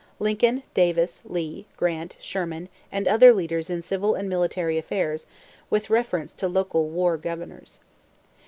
= Lincoln, Davis, Lee, Grant, Sherman, and other leaders in civil and military affairs, with reference to local "war governors."